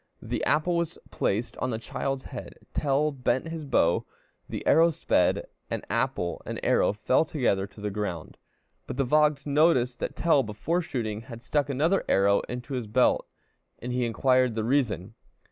The apple was placed on the child's head, Tell bent his bow, the arrow sped, and apple and arrow fell together to the ground. But the Vogt noticed that Tell, before shooting, had stuck another arrow into his belt, and he inquired the reason.